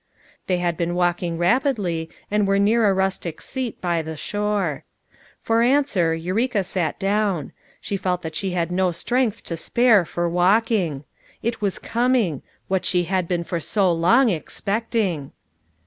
They had heen walking rapidly and were near a rustic seat by the shore. For answer, Eureka sat down; she felt that she had no strength to spare for walking; it was coming: what she had been for so long expecting.